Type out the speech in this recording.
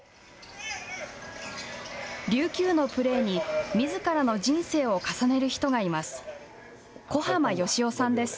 琉球のプレーにみずからの人生を重ねる人がいます。